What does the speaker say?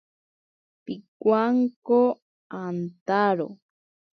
Pibwanko antaro.